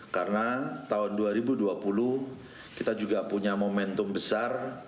karena tahun dua ribu dua puluh kita juga punya momentum besar